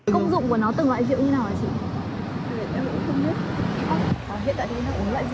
công dụng của nó từng loại rượu như nào hả chị